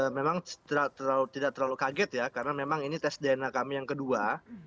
memang tidak terlalu kaget ya karena memang ini tes dna kami yang kedua